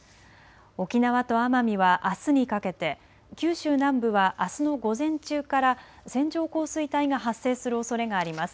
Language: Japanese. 沖縄と奄美はあすにかけて、九州南部はあすの午前中から線状降水帯が発生するおそれがあります。